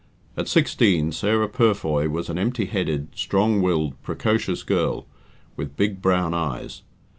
At sixteen, Sarah Purfoy was an empty headed, strong willed, precocious girl, with big brown eyes.